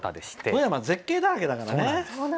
富山絶景だらけだからね。